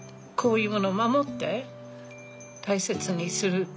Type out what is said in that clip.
こういうもの守って大切にする。